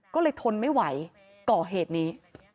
ก็เลยทนไม่ไหวก่อเหตุนี้